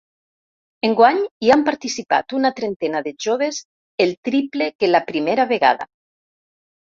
Enguany, hi han participat una trentena de joves, el triple que la primera vegada.